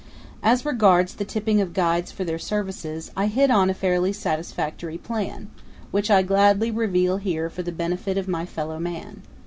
As regards the tipping of guides for their services, I hit on a fairly satisfactory plan, which I gladly reveal here for the benefit of my fellow man.